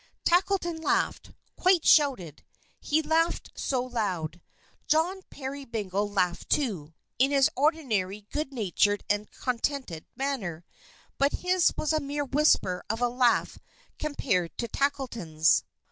Tackleton laughed quite shouted, he laughed so loud. John Peerybingle laughed too, in his ordinary, good natured and contented manner; but his was a mere whisper of a laugh compared to Tackleton's.